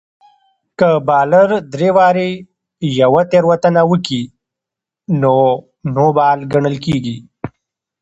که بالر درې واري يوه تېروتنه وکي؛ نو نو بال ګڼل کیږي.